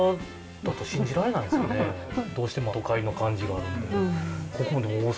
どうしても都会の感じがあって。